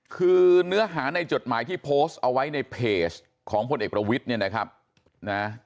คือเนื้อหาในจดหมายที่โพสต์เอาไว้ในเพจของพลเอกประวิทย์เนี่ยนะครับนะ